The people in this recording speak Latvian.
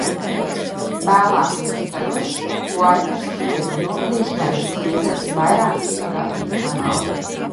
Vēlākajos gados Huaihes ūdeņu novadīšanai tika izrakti vairāki irigācijas kanāli.